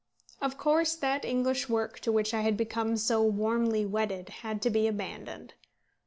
Of course that English work to which I had become so warmly wedded had to be abandoned.